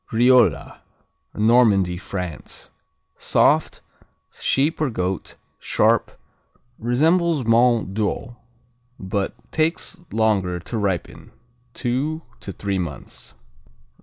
Riola Normandy, France Soft; sheep or goat; sharp; resembles Mont d'Or but takes longer to ripen, two to three months.